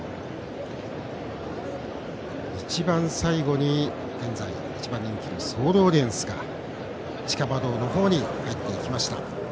一番最後に現在１番人気のソールオリエンスが地下馬道のほうに入っていきました。